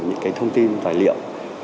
những thông tin tài liệu